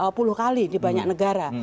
ada dua puluh kali di banyak negara